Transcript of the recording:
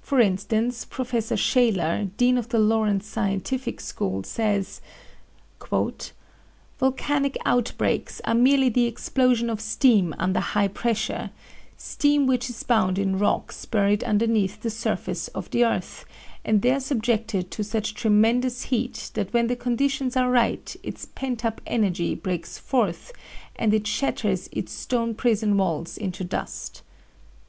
For instance Professor Shaler, dean of the Lawrence Scientific School, says: "Volcanic outbreaks are merely the explosion of steam under high pressure, steam which is bound in rocks buried underneath the surface of the earth and there subjected to such tremendous heat that when the conditions are right its pent up energy breaks forth and it shatters its stone prison walls into dust.